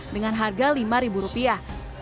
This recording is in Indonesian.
dengan harga lima ribu rupiah